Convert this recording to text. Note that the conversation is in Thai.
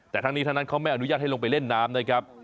แต่ทั้งนี้ทั้งนั้นเขาไม่อนุญาตให้ลงไปเล่นน้ำนะครับ